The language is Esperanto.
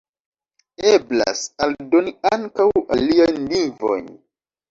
Eblas aldoni ankaŭ aliajn lingvojn.